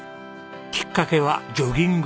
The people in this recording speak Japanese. きっかけはジョギング。